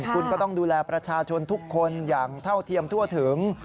คุณก็ต้องดูแลประชาชนทุกคนอย่างเท่าเทียมทั่วถึง